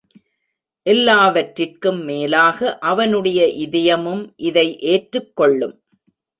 எல்லாவற்றிற்கும் மேலாக அவனுடைய இதயமும் இதை ஏற்றுக் கொள்ளும்.